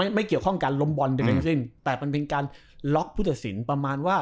อ่าไม่เกี่ยวข้องการล้มบ่นในเรื่องจริงแต่มันเป็นการล็อกผู้ตัดสินประมาณว่า